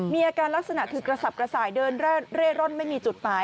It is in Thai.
มีอาการลักษณะคือกระสับกระส่ายเดินเร่ร่อนไม่มีจุดหมาย